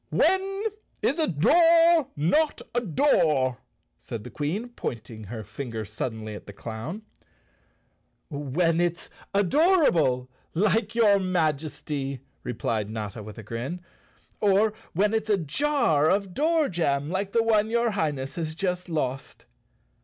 " When is a door not a door?" asked the Queen, point¬ ing her finger suddenly at the clown. "When it's adorable, like your Majesty," replied Notta with a grin. " Or when it's a jar of door jam, like the one your Highness has just lost!"